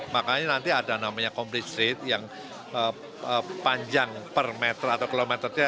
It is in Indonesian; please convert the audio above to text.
makanya nanti ada namanya complite street yang panjang per meter atau kilometernya